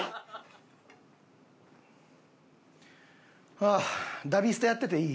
はあ『ダビスタ』やってていい？